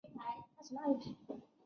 日本足球协会资料